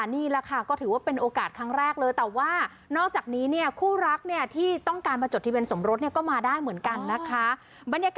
นี่แหละค่ะก็ถือว่าเป็นโอกาสครั้งแรกเลย